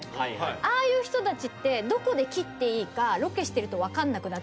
ああいう人たちってどこで切っていいかロケしてると分かんなくなる。